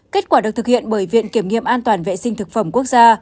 kết quả được thực hiện bởi viện kiểm nghiệm an toàn vệ sinh thực phẩm quốc gia